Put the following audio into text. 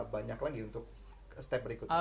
banyak lagi untuk step berikutnya